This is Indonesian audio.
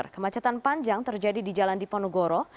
kemacetan panjang terjadi di jalan diponegoro